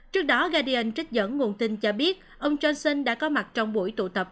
trước đó gadian trích dẫn nguồn tin cho biết ông johnson đã có mặt trong buổi tụ tập